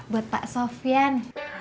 buat pak sofian